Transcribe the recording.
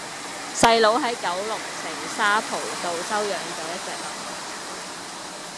細佬喺九龍城沙浦道收養左一隻流浪狗